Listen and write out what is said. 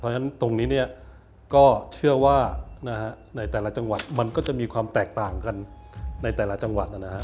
เพราะฉะนั้นตรงนี้เนี่ยก็เชื่อว่าในแต่ละจังหวัดมันก็จะมีความแตกต่างกันในแต่ละจังหวัดนะฮะ